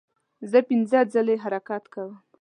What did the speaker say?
زه پنځه ځلې حرکت کوم.